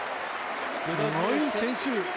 すごい選手。